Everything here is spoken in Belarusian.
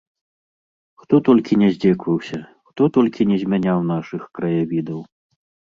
Хто толькі ня зьдзекаваўся, хто толькі не зьмяняў нашых краявідаў!